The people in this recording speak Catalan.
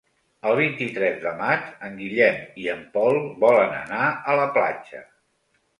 El vint-i-tres de maig en Guillem i en Pol volen anar a la platja.